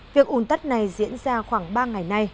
việc ủn tắc này diễn ra khoảng ba ngày nay